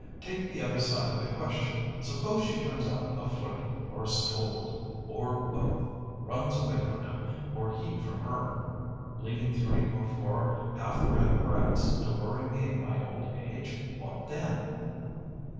"Take the other side of the question. Suppose she turns out a flirt or a scold—or both; runs away from him, or he from her, leaving three or four half bred brats to worry me in my old age. What then?"